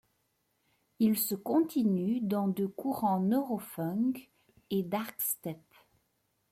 Il se continue dans deux courants Neurofunk et Darkstep.